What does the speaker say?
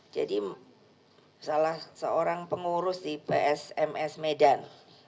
jadi salah seorang pengurus di psms medan